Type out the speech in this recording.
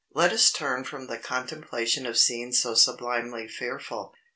Let us turn from the contemplation of scenes so sublimely fearful.